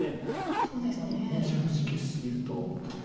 あんまりちょっと追及し過ぎると。